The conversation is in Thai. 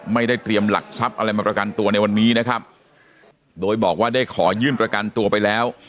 ไม่ได้เตรียมหลักทรัพย์อะไรมาประกันตัวในวันนี้นะครับโดยบอกว่าได้ขอยื่นประกันตัวไปแล้ว